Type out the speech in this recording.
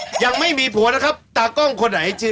อ๋อโศดยังไม่มีผัวนะครับตากล้องคนไหนเจอ